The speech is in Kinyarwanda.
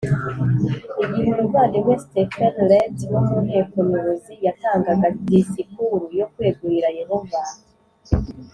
igihe umuvandimwe Stephen Lett wo mu Nteko Nyobozi yatangaga disikuru yo kwegurira Yehova